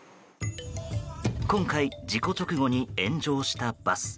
今回、事故直後に炎上したバス。